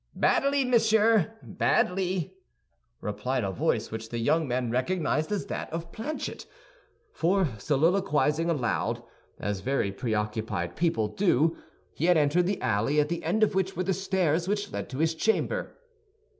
"Badly, monsieur, badly!" replied a voice which the young man recognized as that of Planchet; for, soliloquizing aloud, as very preoccupied people do, he had entered the alley, at the end of which were the stairs which led to his chamber.